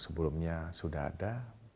sebelumnya sudah ada